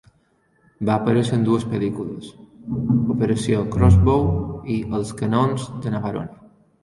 Va aparèixer en dues pel·lícules: "Operació Crossbow" i "Els canons de Navarone".